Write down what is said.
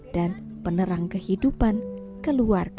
dan penerang kehidupan keluarga